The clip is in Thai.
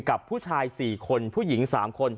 กับผู้ชาย๔คนผู้หญิง๓คน